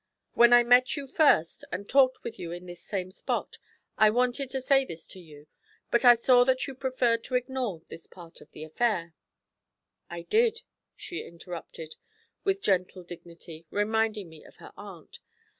When I met you first, and talked with you in this same spot, I wanted to say this to you, but I saw that you preferred to ignore this part of the affair ' 'I did,' she interrupted, with gentle dignity, reminding me of her aunt.